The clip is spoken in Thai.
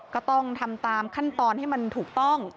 ก็ต้องทำตามขั้นตอนให้มันถูกต้อง